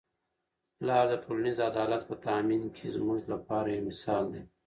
پلار د ټولنیز عدالت په تامین کي زموږ لپاره یو مثال دی.